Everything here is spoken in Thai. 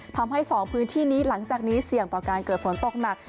ทำให้สองพื้นที่นี้หลังจากนี้เสี่ยงต่อการเกิดฝนตกหนัก